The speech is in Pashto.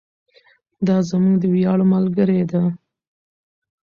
دا زموږ د ویاړ ملګرې ده.